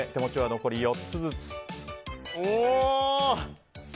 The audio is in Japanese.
残りは４つずつ。